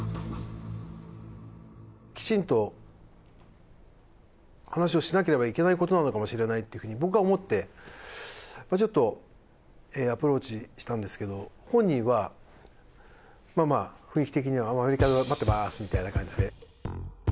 きちんと話をしなければいけない事なのかもしれないっていう風に僕は思ってまあちょっとアプローチしたんですけど本人はまあまあ雰囲気的には「アメリカで待ってまーす」みたいな感じで。